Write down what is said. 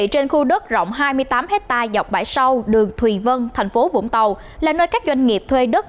trên khu đất rộng hai mươi tám hectare dọc bãi sau đường thùy vân thành phố vũng tàu là nơi các doanh nghiệp thuê đất